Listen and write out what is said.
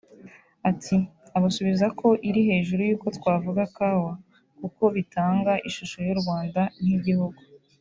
Ati “…Abasubiza ko iri hejuru y’uko twavuga kawa kuko bitanga ishusho y’u Rwanda nk’igihugu